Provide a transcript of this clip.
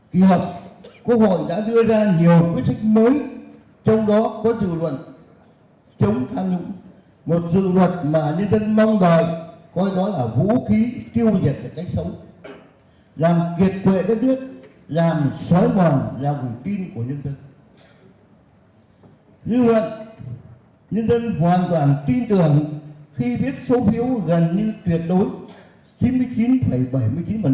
kỳ họp quốc hội đã đưa ra nhiều quyết thức mới trong đó có dự luận chống tham nhũng